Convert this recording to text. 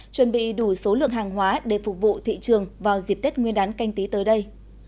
chuẩn bị đủ số lượng hàng hóa để phục vụ thị trường vào dịp tết nguyên đán canh tí tới đây